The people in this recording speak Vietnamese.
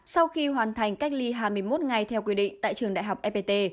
sau khi hoàn thành cách ly hai mươi một ngày theo quy định tại trường đại học fpt